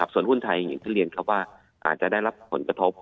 ส่วนหุ้นไทยอย่างที่เรียนครับว่าอาจจะได้รับผลกระทบ